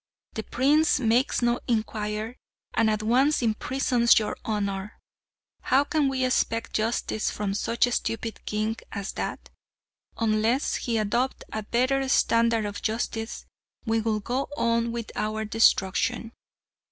The prince makes no inquiry, and at once imprisons your honour. How can we expect justice from such a stupid king as that? Unless he adopt a better standard of justice we will go on with our destruction."